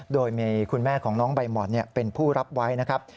โดยมีคุณแม่ของน้องใบหมอนเป็นผู้รับไว้นะครับ